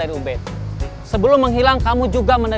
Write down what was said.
presiden gereng seseorang ikut old boss ubed